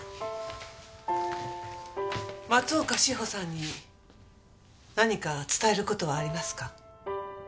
松岡志保さんに何か伝える事はありますか？